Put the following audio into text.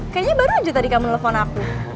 kayaknya baru aja tadi kamu nelfon aku